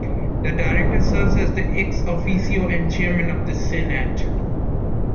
The director serves as the ex-officio and chairman of the senate.